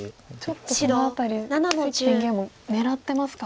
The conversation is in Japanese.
ちょっとこの辺り関天元も狙ってますか。